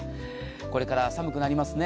これから寒くなりますね。